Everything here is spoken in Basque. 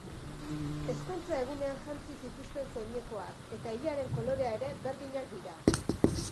Ezkontza egunean jantzi zituzten soinekoak, eta ilearen kolorea ere, berdinak dira.